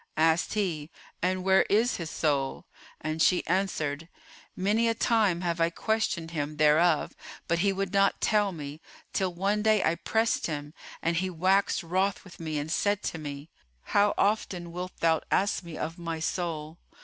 Asked he, "And where is his soul?"; and she answered, "Many a time have I questioned him thereof but he would not tell me, till one day I pressed him and he waxed wroth with me and said to me, 'How often wilt thou ask me of my soul?